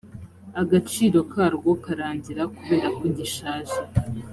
agaciro karwo karangira kubera ko gishaje